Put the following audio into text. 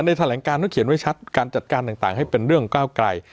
แถลงการเขาเขียนไว้ชัดการจัดการต่างให้เป็นเรื่องก้าวไกล